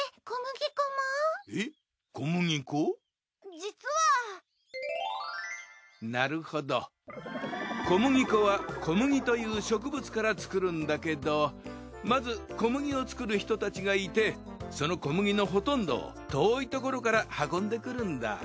小麦粉は小麦という植物から作るんだけど小麦粉は小麦という植物から作るんだけどまず小麦を作る人たちがいてその小麦のほとんどを遠いところから運んでくるんだ。